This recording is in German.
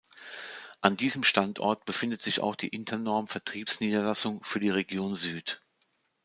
An diesem Standort befindet sich auch die Internorm-Vertriebsniederlassung für die Region Süd.